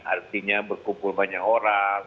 artinya berkumpul banyak orang